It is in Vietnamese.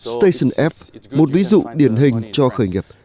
station f một ví dụ điển hình cho khởi nghiệp